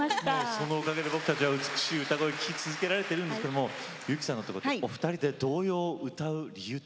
そのおかげで僕たちは美しい歌声聴き続けられてるんですけども由紀さんお二人で童謡を歌う理由って何かあるんですか？